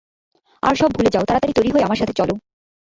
আর সব ভুলে যাও, তারাতাড়ি তৈরি হয়ে আমার সাথে চলো।